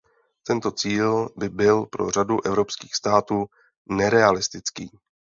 Tento cíl by byl pro řadu evropských států nerealistický.